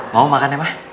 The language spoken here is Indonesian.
mau makan ya mah